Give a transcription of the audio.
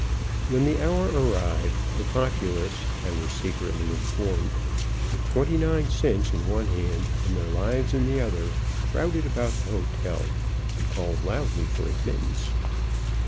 When the hour arrived, the populace, I was secretly informed, with twenty nine cents in one hand and their lives in the other crowded about the hotel and called loudly for admittance.